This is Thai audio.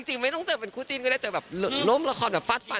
จริงไม่ต้องเจอเป็นคู่จิ้นก็ได้เจอแบบร่วมละครแบบฟาดฟัน